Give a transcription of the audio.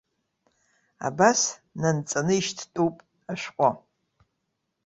Абас нанҵаны ишьҭтәуп ашәҟәы.